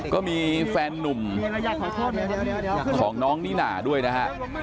ก็มีแฟนนุ่มของน้องนิน่าด้วยนะฮะ